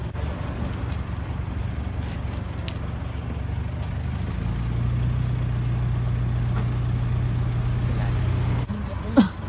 มันเย็บมันเย็บ